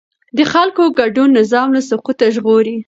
د خلکو ګډون نظام له سقوطه ژغوري